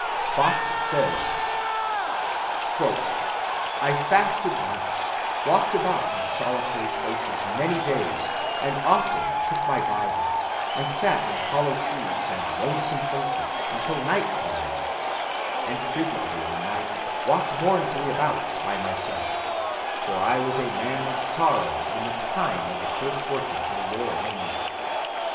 "I fasted much," Fox says, "walked abroad in solitary places many days, and often took my Bible, and sat in hollow trees and lonesome places until night came on; and frequently in the night walked mournfully about by myself; for I was a man of sorrows in the time of the first workings of the Lord in me.